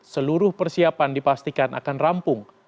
seluruh persiapan dipastikan akan rampung